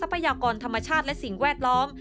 พยากรธรรมชาติและสิ่งแวดล้อม